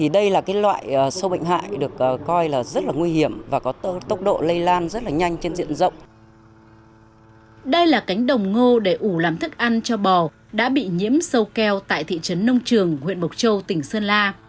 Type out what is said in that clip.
đây là cánh đồng ngô để ủ làm thức ăn cho bò đã bị nhiễm sâu keo tại thị trấn nông trường huyện mộc châu tỉnh sơn la